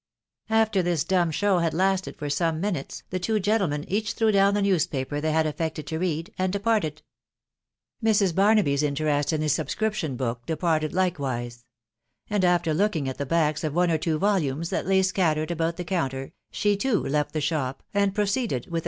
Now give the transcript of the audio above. After this dumb show had lasted for some minutes, the two gentlemen each threw down the newspaper they had affected to read, and departed, Mrs. Barnaby' a mtete&X Vgl *&&«&& wription book departed likewise ; and vtax Vx&Tk% *X •&» u |6& TH* WH»eW BAMHABY backs of one' or two volume* that lay spattered about titt counter, she, too, left the shop, and proceeded witk a.